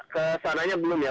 kesananya belum ya